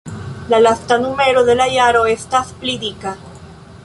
La lasta numero de la jaro estas pli dika.